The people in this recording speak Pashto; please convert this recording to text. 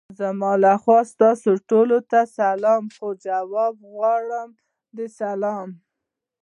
زما له اړخه تاسو ټولو ته سلام خو! جواب غواړم د سلام.